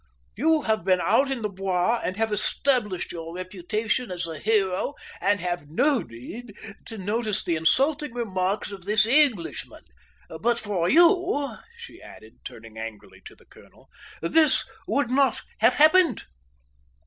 You have been out in the Bois and have established your reputation as a hero and have no need to notice the insulting remarks of this Englishman. But for you," she added, turning angrily to the colonel, "this would not have happened."